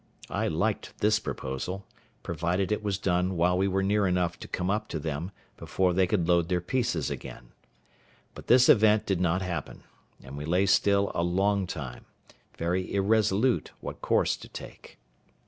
I liked this proposal, provided it was done while we were near enough to come up to them before they could load their pieces again. But this event did not happen; and we lay still a long time, very irresolute what course to take.